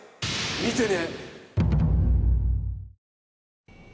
見てね！